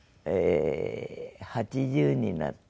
８０になって。